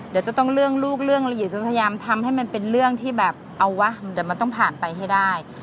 เดี๋ยวจะต้องเรื่องลูกเรื่องละเอียดจะพยายามทำให้มันเป็นเรื่องที่แบบเอาวะเดี๋ยวมันต้องผ่านไปให้ได้